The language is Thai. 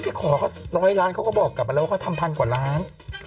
ถ้าขอร้อยล้านเขาก็บอกกันแล้วว่าเขาทำหมันกว่าร้าน